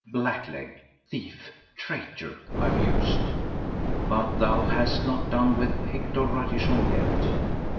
"Blackleg! Thief! Traitor!" I mused. "But thou hast not done with Hector Ratichon yet."